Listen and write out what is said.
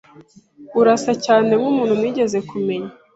Urasa cyane nkumuntu nigeze kumenya.